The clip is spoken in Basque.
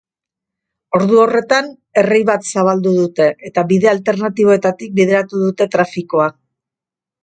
Ordu horretan errei bat zabaldu dute, eta bide alternatiboetatik bideratu dute trafikoa.